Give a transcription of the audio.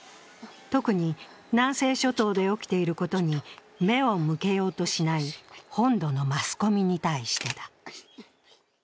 特に南西諸島で起きていることに目を向けようとしない本土のマスコミに対してだ。